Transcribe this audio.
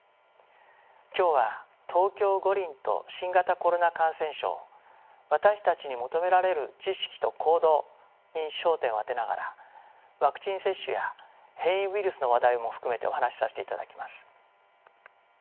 今日は「東京五輪と新型コロナ感染症私たちに求められる知識と行動」に焦点を当てながらワクチン接種や変異ウイルスの話題も含めてお話しさせていただきます。